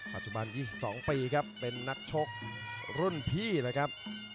ปัจจุบัน๒๒ปีครับเป็นนักชกรุ่นพี่นะครับ